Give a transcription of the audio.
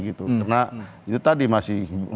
karena itu tadi masih